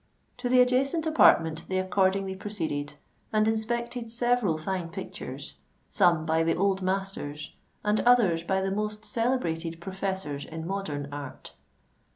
To the adjacent apartment they accordingly proceeded, and inspected several fine pictures, some by the old masters, and others by the most celebrated professors in modern art.